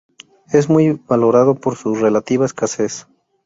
Es muy valorado por su relativa escasez.